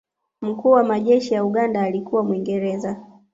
mkuu wa majeshi ya uganda alikuwa mwingereza